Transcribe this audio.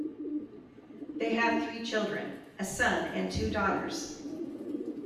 They have three children - a son and two daughters.